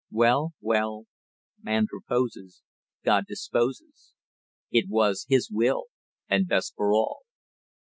Well, well, man proposes, God disposes; it was His will and best for all.